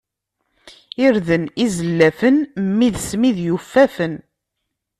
Irden izellafen, mmi d ssmid yufafen.